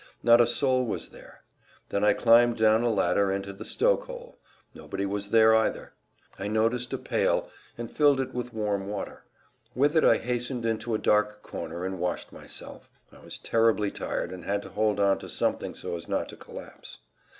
Not a soul was there. Then I climbed down a ladder into the stokehole; nobody was there either. I noticed a pail and filled it with warm water. With it I hastened into a dark corner and washed myself. I was terribly tired and had to hold on to something so as not to collapse.